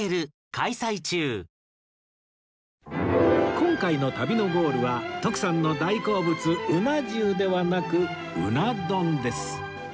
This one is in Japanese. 今回の旅のゴールは徳さんの大好物うな重ではなくうな丼です